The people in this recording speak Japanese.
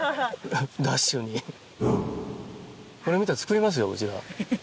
これ見たら作りますようちが。